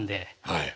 はい。